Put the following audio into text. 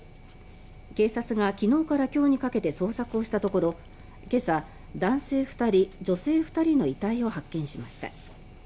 警察が昨日から今日にかけて捜索したところ今朝、男性２人、女性２人の遺体を発見しました。